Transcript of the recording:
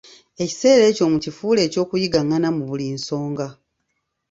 Ekiseera ekyo mukifuule eky'okuyigangana mu buli nsonga.